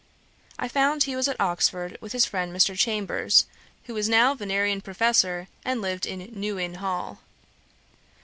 I found he was at Oxford, with his friend Mr. Chambers, who was now Vinerian Professor, and lived in New Inn Hall.